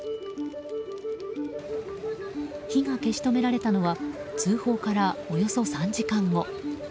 火が消し止められたのは通報からおよそ３時間後。